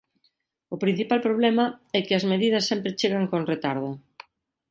O principal problema é que as medidas sempre chegan con retardo.